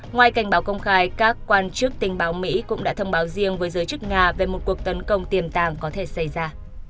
ngoài cảnh báo công khai các quan chức tình báo mỹ cũng đã thông báo riêng với giới chức nga về một cuộc tấn công tiềm tàng có thể xảy ra